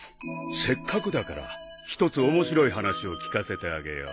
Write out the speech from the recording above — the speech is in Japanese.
せっかくだから一つ面白い話を聞かせてあげよう。